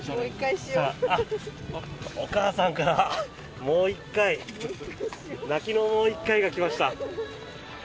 お母さんからもう１回泣きのもう１回が来ました。